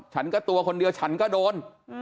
ฉันก็ตัวคนเดียวฉันก็โดน